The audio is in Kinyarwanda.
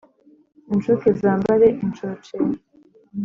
incuke zambare incocera